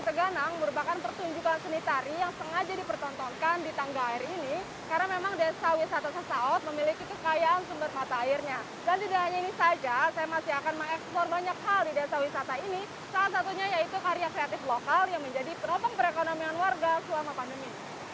saya juga ingin mengucapkan terima kasih kepada para penonton dan penonton yang telah menonton video ini